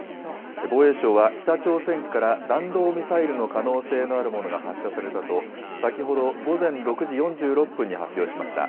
防衛省は、北朝鮮から弾道ミサイルの可能性のあるものが発射されたと、先ほど午前６時４６分に発表しました。